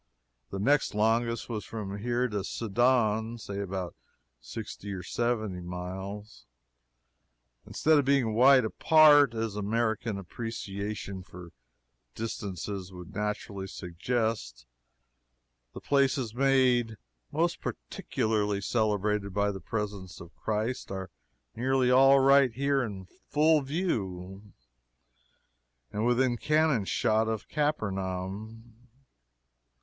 The next longest was from here to Sidon say about sixty or seventy miles. Instead of being wide apart as American appreciation of distances would naturally suggest the places made most particularly celebrated by the presence of Christ are nearly all right here in full view, and within cannon shot of Capernaum.